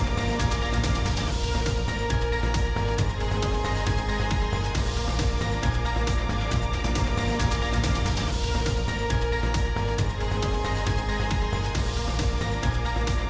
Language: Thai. สวัสดีครับสวัสดีครับสวัสดีครับ